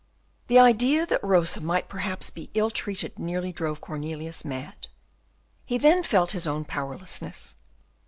The idea that Rosa might perhaps be ill treated nearly drove Cornelius mad. He then felt his own powerlessness.